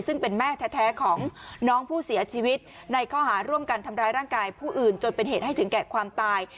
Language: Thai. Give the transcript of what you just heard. ซึ่งเป็นแม่แท้ของน้องผู้เสียชีวิตในข้อหาร่วมกันทำร้ายร่างกายผู้อื่นจนเป็นเหตุให้ถึงแก่ความตาย